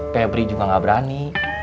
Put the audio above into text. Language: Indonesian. febri juga gak berani